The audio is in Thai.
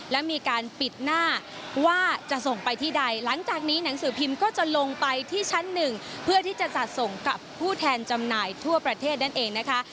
และมีการปิดหน้าว่าจะส่งไปที่ใดหลังจากนี้หนังสือพิมพ์ก็จะลงไปที่ชั้นหนึ่งเพื่อที่จะจัดส่งกับผู้แทนจำหน่ายทั่วประเทศนั่นเองนะคะ